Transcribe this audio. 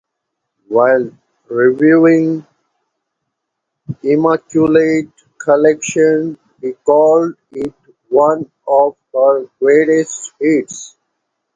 While reviewing "The Immaculate Collection", he called it one of her greatest hits.